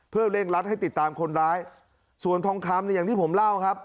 เพื่อเร่งรัดให้ติดตามคนร้ายส่วนทองคำเนี่ยอย่างที่ผมเล่าครับ